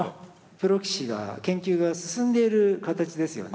プロ棋士が研究が進んでいる形ですよね。